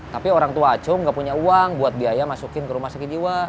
tapi orang tua acu nggak punya uang buat biaya masukin ke rumah sakit jiwa